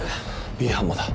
Ｂ班もだ。